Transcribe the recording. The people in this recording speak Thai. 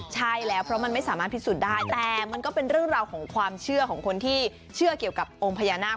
ใช่แล้วเพราะมันไม่สามารถพิสูจน์ได้แต่มันก็เป็นเรื่องราวของความเชื่อของคนที่เชื่อเกี่ยวกับองค์พญานาค